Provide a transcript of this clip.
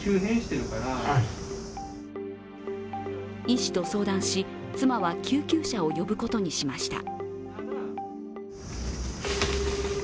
医師と相談し、妻は救急車を呼ぶことにしました。